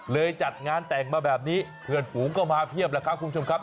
จัดงานแต่งมาแบบนี้เพื่อนฝูงก็มาเพียบแล้วครับคุณผู้ชมครับ